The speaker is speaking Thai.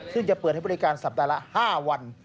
ซึ่งจะเปิดให้บริการสัปดาห์ละ๕วัน